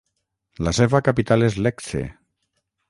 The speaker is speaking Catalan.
La seva capital és Lecce.